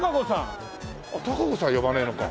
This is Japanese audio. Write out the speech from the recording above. たかこさん呼ばねえのか。